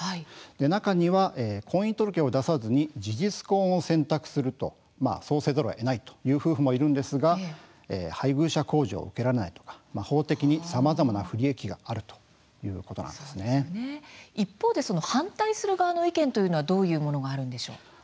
中には婚姻届を出さずに事実婚を選択するそうせざるをえないという夫婦もいるんですが配偶者控除を受けられないとか法的にさまざまな不利益がある一方で反対する側の意見というのはどういうものがあるんでしょうか。